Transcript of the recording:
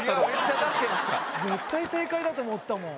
絶対正解だと思ったもん。